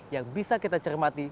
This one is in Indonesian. yang bisa kita cermati